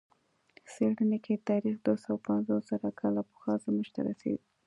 څېړنه کې تاریخ دوه سوه پنځوس زره کاله پخوا زمانو ته رسېږي.